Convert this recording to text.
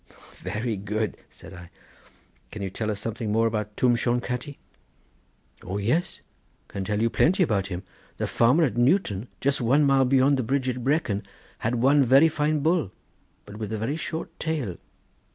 '" "Very good," said I; "can you tell us something more about Twm Shone Catti?" "O yes; can tell you plenty about him. The farmer at Newton, just one mile beyond the bridge at Brecon, had one very fine bull, but with a very short tail.